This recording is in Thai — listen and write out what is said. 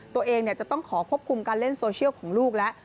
ตัวเองจะต้องขอควบคุมการเล่นโซเชียลของลูกแล้ว